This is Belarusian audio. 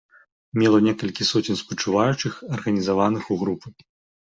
Мела некалькі соцень спачуваючых, арганізаваных у групы.